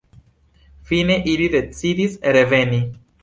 Fine ili decidis reveni.